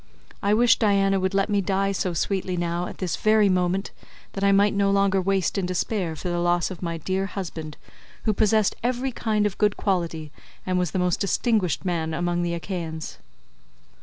I wish Diana would let me die so sweetly now at this very moment, that I might no longer waste in despair for the loss of my dear husband, who possessed every kind of good quality and was the most distinguished man among the Achaeans."